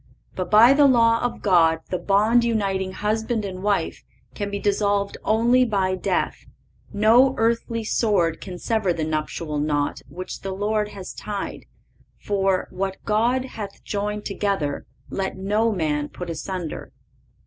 But by the law of God the bond uniting husband and wife can be dissolved only by death. No earthly sword can sever the nuptial knot which the Lord has tied; for, "what God hath joined together, let no man put asunder."